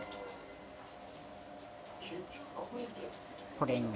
これに。